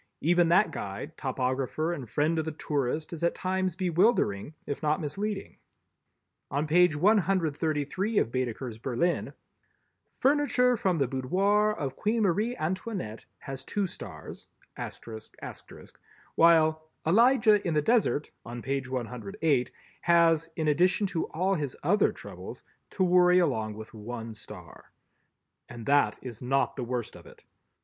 Even that guide, topographer and friend of the tourist is at times bewildering, if not misleading. On page 133 of Baedeker's Berlin, "Furniture From the Boudoir of Queen Marie Antoinette" has two stars, while "Elijah in the Desert," on page 108, has, in addition to all his other troubles, to worry along with one star. And that is not the worst of it.